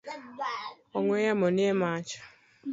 Ong’we yamo ni e mach.